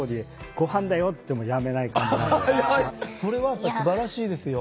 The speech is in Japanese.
それはやっぱりすばらしいですよ。